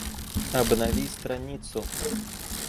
Обнови страницу